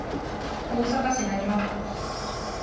大阪市浪速区